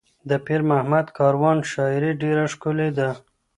د پیر محمد کاروان شاعري ډېره ښکلې ده.